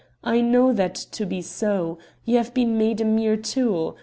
I know that to be so. You have been made a mere tool.